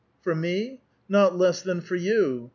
" "For me? not less than for you!